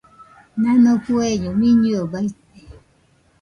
Nano fueño miñɨe baite.